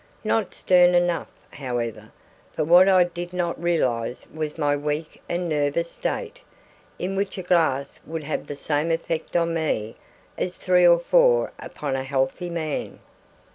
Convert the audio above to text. Not stern enough, however; for what I did not realize was my weak and nervous state, in which a glass would have the same effect on me as three or four upon a healthy man.